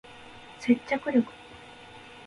接着力